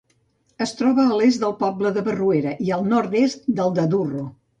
Es troba a l'est del poble de Barruera, i al nord-est del de Durro.